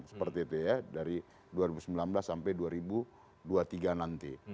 seperti itu ya dari dua ribu sembilan belas sampai dua ribu dua puluh tiga nanti